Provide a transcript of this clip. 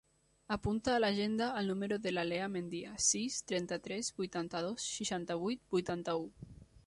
Apunta a l'agenda el número de la Leah Mendia: sis, trenta-tres, vuitanta-dos, seixanta-vuit, vuitanta-u.